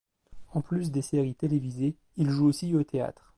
En plus des séries télévisées, il joue aussi au théâtre.